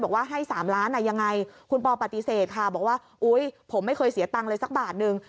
บอกว่าให้๓ล้านยังไงคุณปอปฏิเสธค่ะบอกว่าอุ๊ยผมไม่เคยเสียตังค์เลยสักบาทนึง